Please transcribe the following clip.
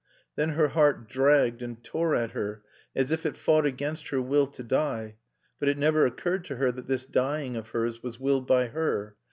Then her heart dragged and tore at her, as if it fought against her will to die. But it never occurred to her that this dying of hers was willed by her.